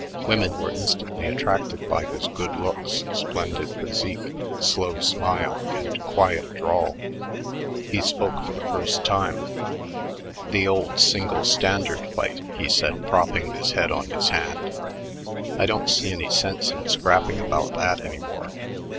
Women were instantly attracted by his good looks, splendid physique, slow smile, and quiet drawl. He spoke for the first time. "The old single standard fight," he said, propping his head on his hand. "I don't see any sense in scrapping about that any more.